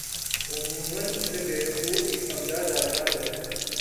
عموما اسے بیوقوف ہی سمجھا جاتا ہے۔